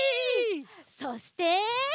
そして。